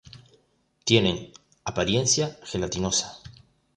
Tienen apariencia gelatinosa.